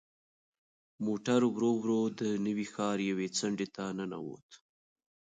موټر ورو ورو د نوي ښار یوې څنډې ته ننوت.